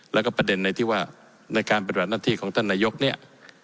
แล้วก็ประเด็นในที่ว่าในการปฏิบัติหน้าที่ของท่านนายกเนี่ย